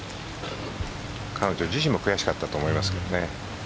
彼女自身も悔しかったと思いますけどね。